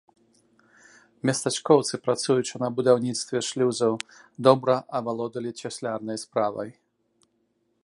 Местачкоўцы, працуючы на будаўніцтве шлюзаў, добра авалодалі цяслярнай справай.